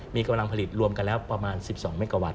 มีกำลังผลิตรวมกันแล้วประมาณ๑๒เมกะวัต